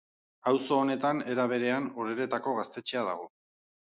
Auzo honetan, era berean, Oreretako gaztetxea dago.